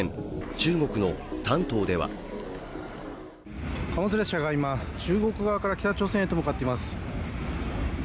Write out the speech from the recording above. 中国の丹東では貨物列車が今、中国側から北朝鮮へと向かっています。